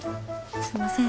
すんません